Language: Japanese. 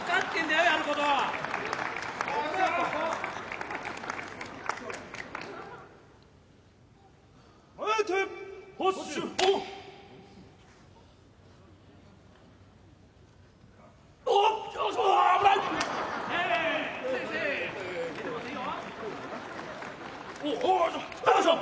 よいしょ！